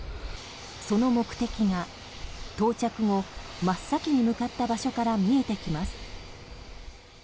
その目的が、到着後真っ先に向かった場所から見えてきます。